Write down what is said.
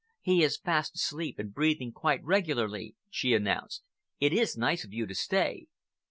"He is fast asleep and breathing quite regularly," she announced. "It is nice of you to stay."